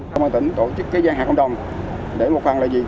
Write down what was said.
công an tỉnh tổ chức gian hàng cộng đồng để một phần là gì